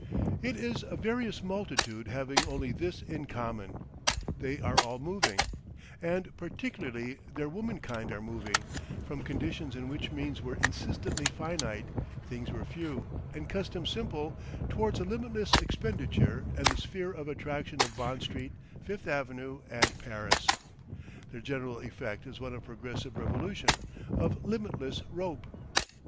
It is a various multitude having only this in common: they are all moving, and particularly their womankind are moving, from conditions in which means were insistently finite, things were few, and customs simple, towards a limitless expenditure and the sphere of attraction of Bond Street, Fifth Avenue, and Paris. Their general effect is one of progressive revolution, of limitless rope.